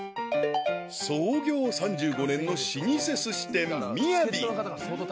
［創業３５年の老舗すし店みやび］